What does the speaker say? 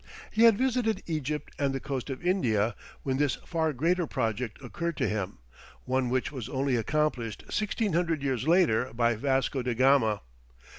He had visited Egypt and the coast of India, when this far greater project occurred to him, one which was only accomplished sixteen hundred years later by Vasco da Gama.